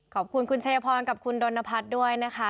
ขอบคุณคุณชัยพรกับคุณดนพัฒน์ด้วยนะคะ